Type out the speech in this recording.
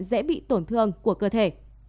dễ bị tổn thương của cơ thể